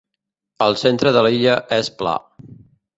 El centre de l'illa és pla.